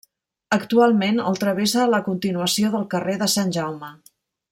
Actualment el travessa la continuació del carrer de Sant Jaume.